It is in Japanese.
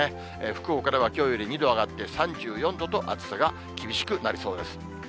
福岡ではきょうより２度上がって３４度と、暑さが厳しくなりそうです。